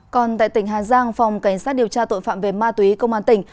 còn tại tỉnh hà giang phòng cảnh sát điều tra tội phạm về ma túy công an tỉnh